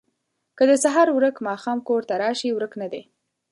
ـ که د سهار ورک ماښام کور ته راشي ورک نه دی